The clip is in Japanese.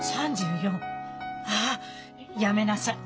ああっやめなさい！